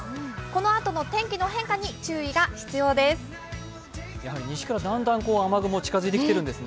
このあとの天気の変化に注意が必要です。